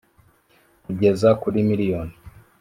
kugeza kuri miliyoni